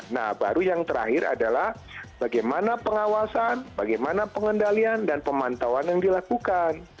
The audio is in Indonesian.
nah baru yang terakhir adalah bagaimana pengawasan bagaimana pengendalian dan pemantauan yang dilakukan